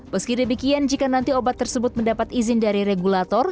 meskipun jika nanti obat tersebut mendapat izin dari regulator